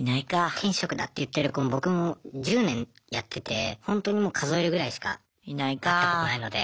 天職だって言ってる子僕も１０年やっててほんとにもう数えるぐらいしか会ったことないので。